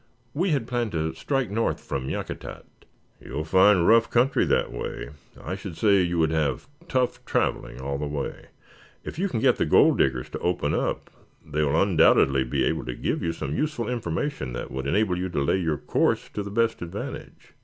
"We had planned to strike north from Yakutat." "You will find rough country that way. I should say you would have tough traveling all the way. If you can get the Gold Diggers to open up, they will undoubtedly be able to give you some useful information that would enable you to lay your course to the best advantage.